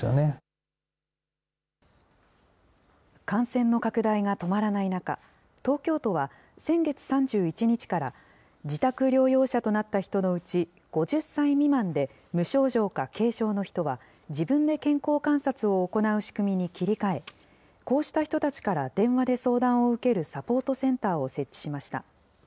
感染の拡大が止まらない中、東京都は、先月３１日から、自宅療養者となった人のうち、５０歳未満で、無症状か軽症の人は、自分で健康観察を行う仕組みに切り替え、こうした人たちから電話で相談を受けるサポートセンターを設置しました。